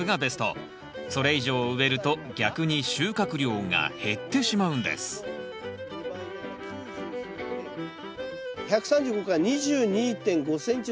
それ以上植えると逆に収穫量が減ってしまうんです１３５から２２．５ｃｍ。